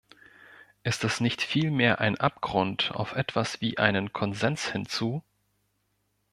Ist das nicht vielmehr ein Abgrund auf etwas wie einen Konsens hin zu?